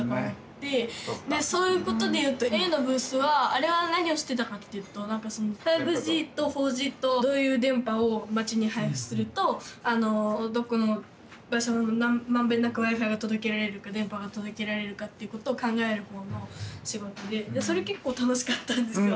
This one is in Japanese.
そういうことで言うとａｕのブースはあれは何をしてたかって言うと５Ｇと４Ｇとどういう電波を街に配布するとどこの場所も満遍なくＷｉ−Ｆｉが届けられるか電波が届けられるかってことを考えるほうの仕事でそれ結構楽しかったんですよ。